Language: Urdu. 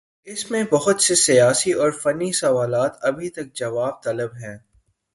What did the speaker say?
اس میں بہت سے سیاسی اور فنی سوالات ابھی تک جواب طلب ہیں۔